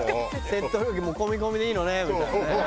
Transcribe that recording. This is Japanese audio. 「セット料金もうこみこみでいいのね」みたいなね。